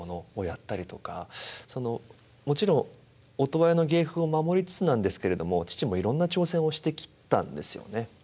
もちろん音羽屋の芸風を守りつつなんですけれども父もいろんな挑戦をしてきたんですよね。